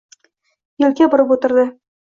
yelka burib o‘tirdi.